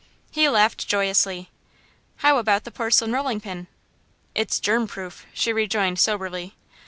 He laughed joyously. "How about the porcelain rolling pin?" "It's germ proof," she rejoined, soberly.